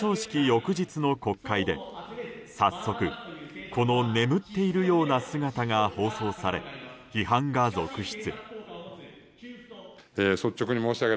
翌日の国会で早速、この眠っているような姿が放送され批判が続出。